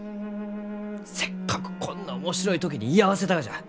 せっかくこんな面白い時に居合わせたがじゃ。